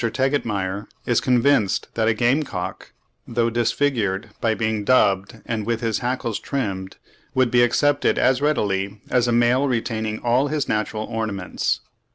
Tegetmeier is convinced that a gamecock, though disfigured by being dubbed and with his hackles trimmed, would be accepted as readily as a male retaining all his natural ornaments.